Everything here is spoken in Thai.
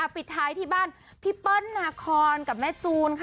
ปิดท้ายที่บ้านพี่เปิ้ลนาคอนกับแม่จูนค่ะ